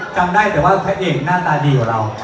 จำได้แต่ว่าพระเอกหน้าตาดีกว่าเรา